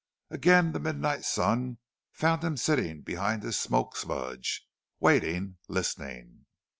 Again the midnight sun found him sitting behind his smoke smudge, waiting, listening.